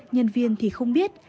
nhân viên thì không biết